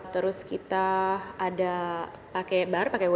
terus kita ada pakai bar pakai w